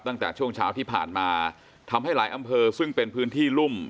ตั้งแต่ช่วงเช้าที่ผ่านมาทำให้หลายอำเภอซึ่งเป็นพื้นที่รุ่ม